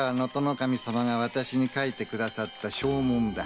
守様が私に書いてくださった証文だ。